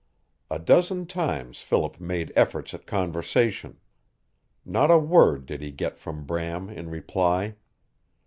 A dozen times Philip made efforts at conversation. Not a word did he get from Bram in reply.